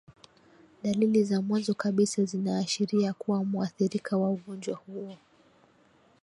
dalili za mwanzo kabisa zinaashiria kuwa muathirika wa ugonjwa huo